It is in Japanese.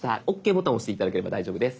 ボタン押して頂ければ大丈夫です。